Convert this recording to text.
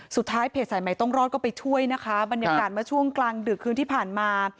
เพจสายใหม่ต้องรอดก็ไปช่วยนะคะบรรยากาศเมื่อช่วงกลางดึกคืนที่ผ่านมา